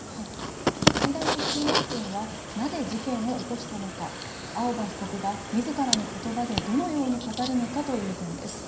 最大の注目点はなぜ事件を起こしたのか、青葉被告がみずからのことばでどのように語るのかという点です。